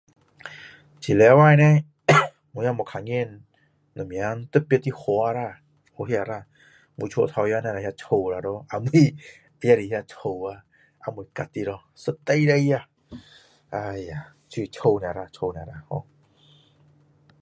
这个星期叻我也没看见什么特别的花啦有那啦我家前面那有草咯后面也是那草啊还没割的咯一堆堆啊哎呀就是草而已草而已 ho